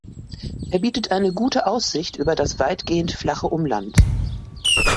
Er bietet eine gute Aussicht über das weitgehend flache Umland.